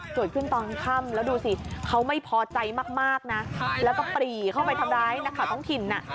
เกิดขึ้นตอนค่ำแล้วดูสิเขาไม่พอใจมากนะแล้วก็ปรีเข้าไปทำร้ายนักข่าวท้องถิ่นน่ะ